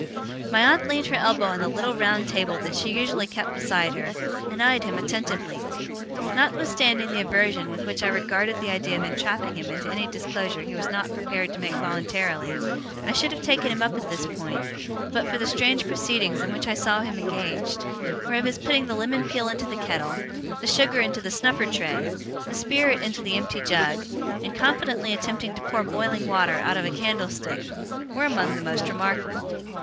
My aunt leaned her elbow on the little round table that she usually kept beside her, and eyed him attentively. Notwithstanding the aversion with which I regarded the idea of entrapping him into any disclosure he was not prepared to make voluntarily, I should have taken him up at this point, but for the strange proceedings in which I saw him engaged; whereof his putting the lemon peel into the kettle, the sugar into the snuffer tray, the spirit into the empty jug, and confidently attempting to pour boiling water out of a candlestick, were among the most remarkable.